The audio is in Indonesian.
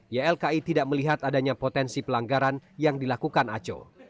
ylki tidak melihat adanya potensi pelanggaran yang dilakukan aco